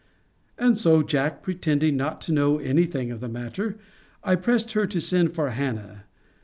And so, Jack, pretending not to know any thing of the matter, I pressed her to send for Hannah.